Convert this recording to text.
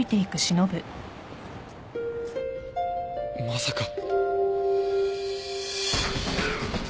まさか。